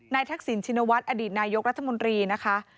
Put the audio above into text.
ทักษิณชินวัฒน์อดีตนายกรัฐมนตรีนะคะ